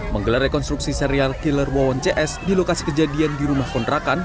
menggelar rekonstruksi serial killer wawon cs di lokasi kejadian di rumah kontrakan